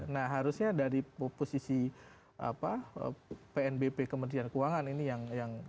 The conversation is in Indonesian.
nah harusnya dari posisi pnbp kementerian keuangan ini yang